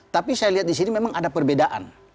tapi saya lihat di sini memang ada perbedaan